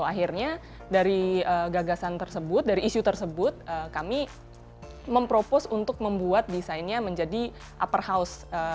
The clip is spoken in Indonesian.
akhirnya dari gagasan tersebut dari isu tersebut kami mempropos untuk membuat desainnya menjadi upper house